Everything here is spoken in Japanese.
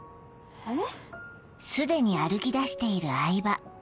えっ？